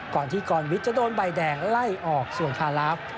ก่อนที่กรวิทย์จะโดนใบแดงไล่ออกส่วนคาลาฟ